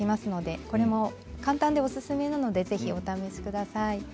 簡単でおすすめなのでお試しください。